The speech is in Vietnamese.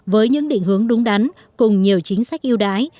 với những định hướng đúng đắn cùng nhiều chính sách yêu đái